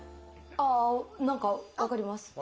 なんか分かります。